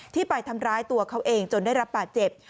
ไปทำร้ายตัวเขาเองจนได้รับบาดเจ็บ